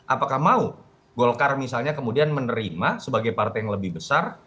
apakah mau golkar misalnya kemudian menerima sebagai partai yang lebih besar